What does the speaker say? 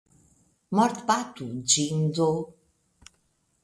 Mortbatu ĝin do!